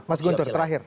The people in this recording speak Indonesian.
mas guntur terakhir